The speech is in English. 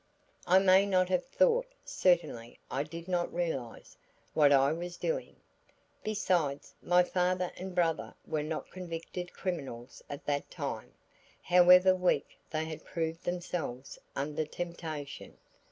I may not have thought, certainly I did not realize, what I was doing. Besides, my father and brother were not convicted criminals at that time, however weak they had proved themselves under temptation.